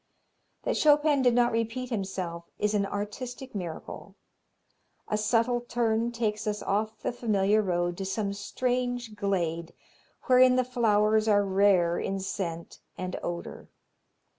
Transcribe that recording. That Chopin did not repeat himself is an artistic miracle. A subtle turn takes us off the familiar road to some strange glade, wherein the flowers are rare in scent and odor.